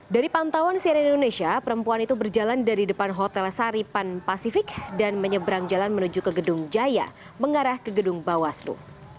dari pantauan cnn indonesia perempuan itu berjalan dari depan hotel saripan pasifik dan menyeberang jalan menuju ke gedung jaya mengarah ke gedung bawaslu